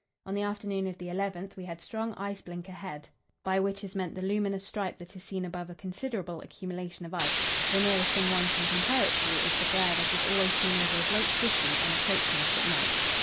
On the afternoon of the 11th we had strong ice blink ahead, by which is meant the luminous stripe that is seen above a considerable accumulation of ice; the nearest thing one can compare it to is the glare that is always seen over a great city on approaching it at night.